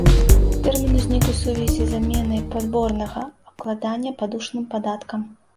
Тэрмін узнік у сувязі з заменай падворнага абкладання падушным падаткам.